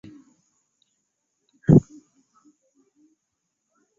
Hassink is a Dutch visual artist who is based in New York City.